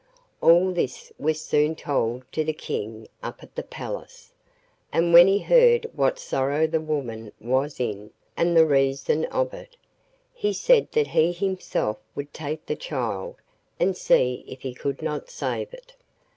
All this was soon told to the King up at the palace, and when he heard what sorrow the woman was in, and the reason of it, he said that he himself would take the child and see if he could not save it.